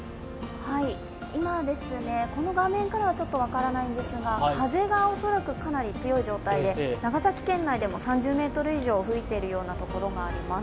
今、この画面からはちょっと分からないんですが、風が恐らくかなり強い状態で長崎県内でも３０メートル以上吹いている所もあります。